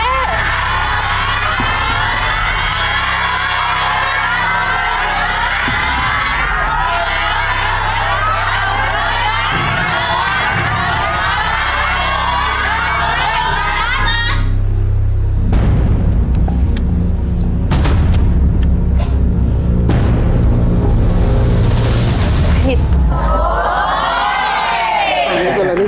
ขึ้นอยู่กับข้อนี้